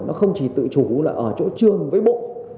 nó không chỉ tự chủ là ở chỗ trường với bộ